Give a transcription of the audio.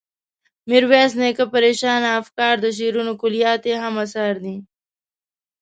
میرویس نیکه، پریشانه افکار، د شعرونو کلیات یې هم اثار دي.